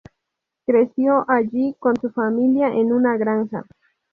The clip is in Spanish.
Creció allí con su familia en una granja.